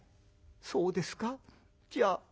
「そうですかじゃあ。